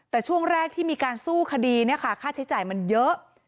แต่ช่วงแรกที่มีการสู้คดีเนี่ยค่ะค่าใช้จ่ายมันเยอะ